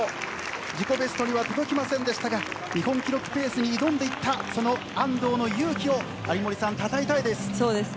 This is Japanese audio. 自己ベストには届きませんでしたが日本記録ペースに挑んでいったその安藤の勇気を有森さん、たたえたいです。